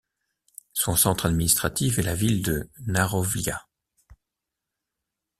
Son centre administratif est la ville de Narowlia.